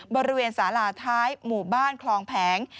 บริเวณสาลาท้ายหมู่บ้านคลองแผง